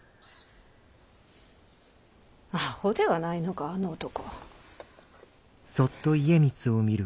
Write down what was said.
阿呆ではないのかあの男。